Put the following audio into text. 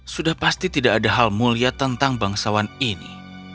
sudah pasti tidak ada hal mulia tentang bangsawan ini